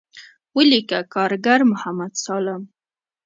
وليکه کارګر محمد سالم.